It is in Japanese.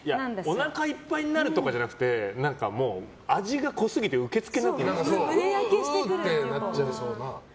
おなかいっぱいになるとかじゃなくて味が濃すぎて受け付けなくなりません？